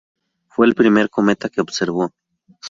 Fue el primer cometa que observó.